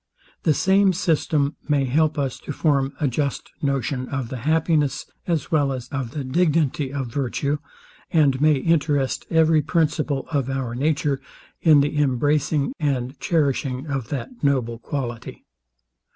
The same system may help us to form a just notion of the happiness, as well as of the dignity of virtue, and may interest every principle of our nature in the embracing and cherishing that noble quality.